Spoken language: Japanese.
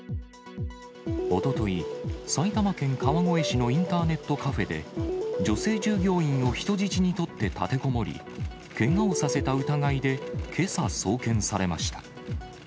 おととい、埼玉県川越市のインターネットカフェで、女性従業員を人質に取って立てこもり、けがをさせた疑いで、けさ送検されました。